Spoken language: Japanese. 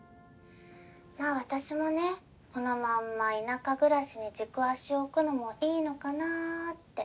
まあ私もねこのまんま田舎暮らしに軸足を置くのもいいのかなって。